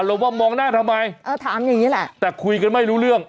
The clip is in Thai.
ว่ามองหน้าทำไมเออถามอย่างงี้แหละแต่คุยกันไม่รู้เรื่อง